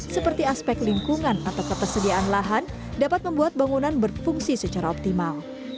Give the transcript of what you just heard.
seperti aspek lingkungan atau ketersediaan lahan dapat membuat bangunan berfungsi secara optimal